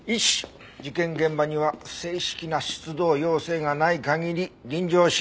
「１事件現場には正式な出動要請がない限り臨場しない」